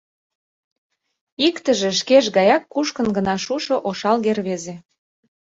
Иктыже шкеж гаяк кушкын гына шушо ошалге рвезе.